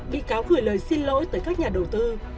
bị cáo gửi lời xin lỗi tới các nhà đầu tư